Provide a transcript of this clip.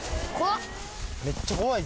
めっちゃ怖いぜ。